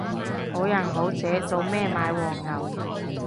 好人好姐做咩買黃牛